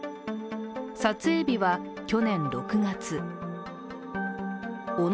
撮影日は去年６月。